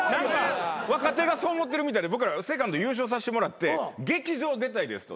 若手がそう思ってるみたいで僕らＳＥＣＯＮＤ優勝させてもらって劇場出たいですと。